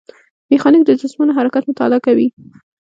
میخانیک د جسمونو حرکت مطالعه کوي.